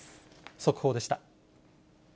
速報でした。